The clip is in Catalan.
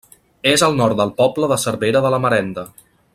És al nord del poble de Cervera de la Marenda.